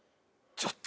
ちょっと。